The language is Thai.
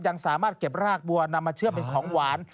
ยังสามารถเก็บรากบัวนำมาเชื่อมเป็นของหวาน